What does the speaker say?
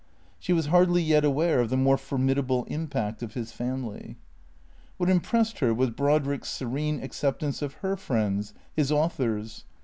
She was hardly yet aware of the more formidable impact of his family. WTiat impressed her was Brodrick's serene acceptance of her friends, his authors.